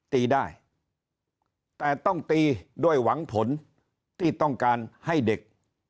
ตีได้แต่ต้องตีด้วยหวังผลที่ต้องการให้เด็ก